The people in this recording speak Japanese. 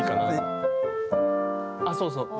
あっそうそう。